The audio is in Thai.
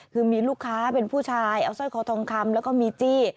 คือมีลูกค้าเป็นผู้ชายเอาสร้อยคอทองคำแล้วก็มีจี้